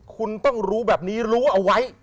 คุณต้องรู้แบบนี้รู้เอาไว้